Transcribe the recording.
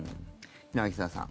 柳澤さん